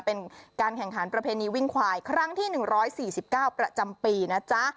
เป็นการแข่งขันประเพณีวิ่งควายครั้งที่๑๔๙ประจำปีนะจ๊ะ